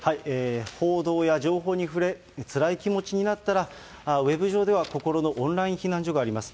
報道や情報に触れ、つらい気持ちになったら、ウェブ上では、こころのオンライン避難所があります。